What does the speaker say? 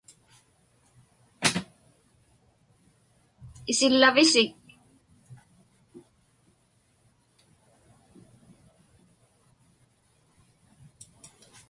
Isillavisik?